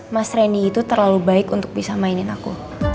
mas rendy itu terlalu baik untuk bisa mainin aku